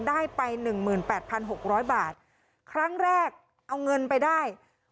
ได้ไปหนึ่งหมื่นแปดพันหกร้อยบาทครั้งแรกเอาเงินไปได้